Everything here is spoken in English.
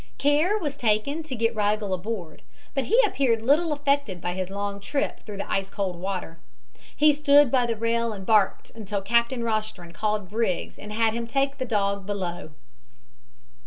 Care was taken to get Rigel aboard, but he appeared little affected by his long trip through the ice cold water. He stood by the rail and barked until Captain Rostron called Briggs and had him take the dog below.